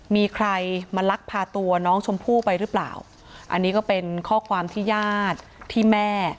มีใครมาลักพาตัวน้องชมพู่ไปหรือเปล่าอันนี้ก็เป็นข้อความที่ญาติที่แม่